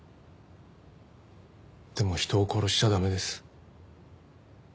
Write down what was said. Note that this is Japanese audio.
でも人を殺しちゃ駄目です。